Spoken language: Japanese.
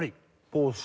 帽子。